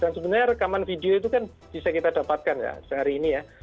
dan sebenarnya rekaman video itu kan bisa kita dapatkan ya sehari ini ya